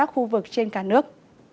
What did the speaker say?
khu vực trên cả nước